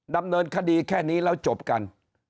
ดำเนินคดีแค่นี้แล้วจบกัน